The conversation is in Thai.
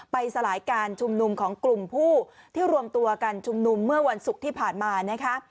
สลายการชุมนุมของกลุ่มผู้ที่รวมตัวกันชุมนุมเมื่อวันศุกร์ที่ผ่านมานะคะ